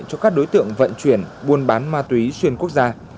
cho các đối tượng vận chuyển buôn bán ma túy xuyên quốc gia